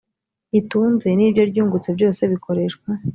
ritunze n ibyo ryungutse byose bikoreshwa